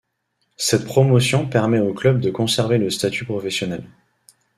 Cette promotion permet au club de conserver le statut professionnel.